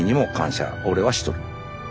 俺はしとる。